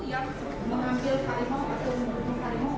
yang mengambil kalimau atau menghubung kalimau